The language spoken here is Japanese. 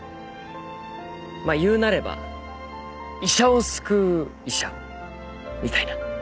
まあ言うなれば医者を救う医者みたいな。